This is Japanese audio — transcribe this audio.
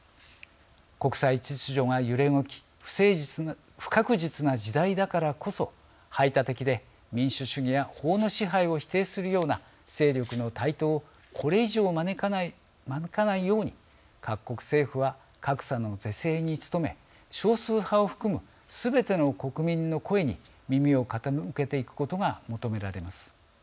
国際秩序が揺れ動き不確実な時代だからこそ排他的で、民主主義や法の支配を否定するような勢力の台頭をこれ以上、招かないように各国政府は格差の是正に努め少数派を含むすべての国民の声に耳を傾けていくことが求められます。